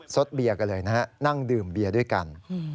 ซดเบียนกันเลยนั่งดื่มเบียนด้วยกัน